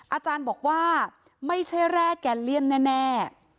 อาจารย์บอกว่าไม่ใช่แร่แกเลี่ยมแน่